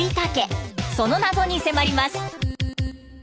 その謎に迫ります。